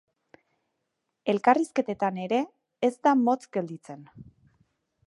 Elkarrizketetan ere ez da motz gelditzen.